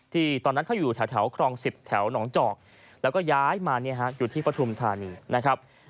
ตอนนั้นเขาอยู่แถวครอง๑๐แถวหนองจอกแล้วก็ย้ายมาอยู่ที่ปฐุมธานีนะครับ